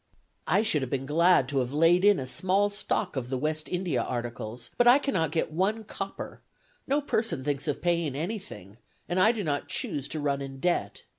I should have been glad to have laid in a small stock of the West India articles, but I cannot get one copper; no person thinks of paying anything, and I do not choose to run in debt.